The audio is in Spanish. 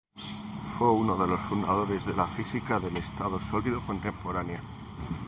Fue uno de las fundadores de la física del estado sólido contemporánea.